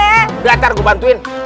udah ntar gue bantuin